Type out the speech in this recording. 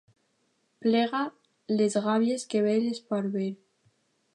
Plega les gàbies que ve l'esparver.